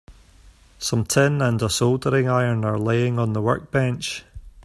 Some tin and a soldering iron are laying on the workbench.